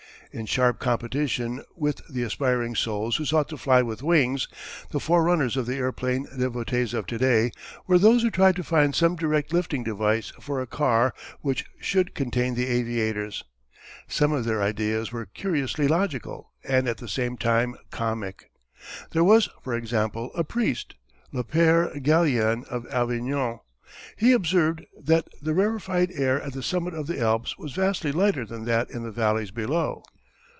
In sharp competition with the aspiring souls who sought to fly with wings the forerunners of the airplane devotees of to day were those who tried to find some direct lifting device for a car which should contain the aviators. Some of their ideas were curiously logical and at the same time comic. There was, for example, a priest, Le Père Galien of Avignon. He observed that the rarified air at the summit of the Alps was vastly lighter than that in the valleys below.